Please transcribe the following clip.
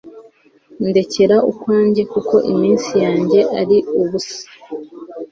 Ndekera ukwanjye kuko iminsi yanjye ari ubusa